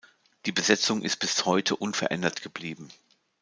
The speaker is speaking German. Die Besetzung ist bis heute unverändert geblieben.